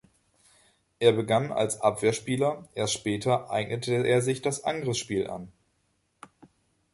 Er begann als Abwehrspieler, erst später eignete er sich das Angriffsspiel an.